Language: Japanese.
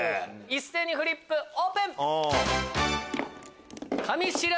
一斉にフリップオープン！